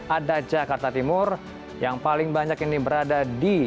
ada jakarta timur yang paling banyak ini berada di